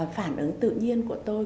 phản ứng tự nhiên của tôi